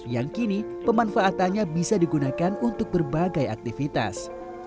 tapi pemanfaatannya bisa digunakan untuk berbagai aktivitas